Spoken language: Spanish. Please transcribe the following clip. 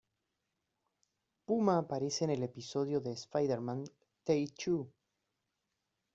Puma aparece en el episodio de Spider-Man ""Take Two"".